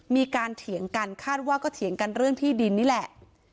เถียงกันคาดว่าก็เถียงกันเรื่องที่ดินนี่แหละ